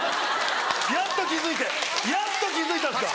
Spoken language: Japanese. やっと気付いてやっと気付いたんですか。